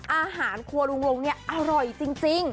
อาหารครัวลุงลงเนี่ยอร่อยจริง